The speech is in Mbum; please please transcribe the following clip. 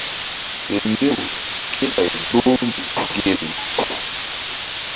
Fe mbew kéɓay gboh nzuk gel.